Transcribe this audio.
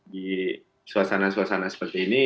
di suasana suasana seperti ini